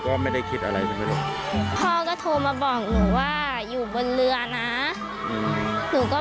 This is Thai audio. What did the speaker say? ก็ไม่ได้คิดอะไรใช่ไหมลูกพ่อก็โทรมาบอกหนูว่าอยู่บนเรือนะหนูก็